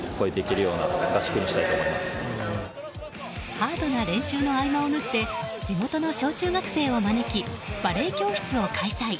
ハードな練習の合間を縫って地元の小中学生を招きバレー教室を開催。